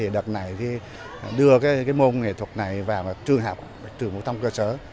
đợt này đưa môn nghệ thuật này vào trường học trường phổ thông cơ sở